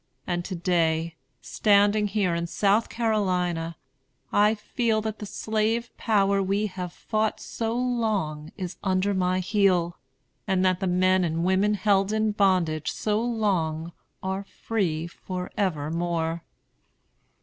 And to day, standing here in South Carolina, I feel that the slave power we have fought so long is under my heel; and that the men and women held in bondage so long are free forevermore.